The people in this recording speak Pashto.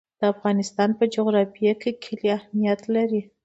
د افغانستان په جغرافیه کې کلي اهمیت لري.